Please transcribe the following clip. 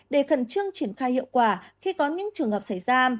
để khẩn trương triển khai hiệu quả khi có những trường hợp xảy ra